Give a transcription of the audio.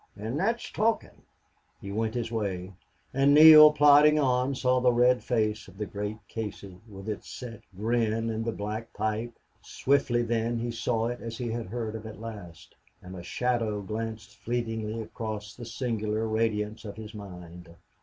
An' thot's talkin'." He went his way. And Neale, plodding on, saw the red face of the great Casey, with its set grin and the black pipe. Swiftly then he saw it as he had heard of it last, and a shadow glanced fleetingly across the singular radiance of his mind.